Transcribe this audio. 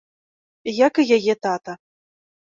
Як і яе тата.